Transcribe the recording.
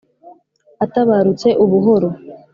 Atabarutse ubuhoro,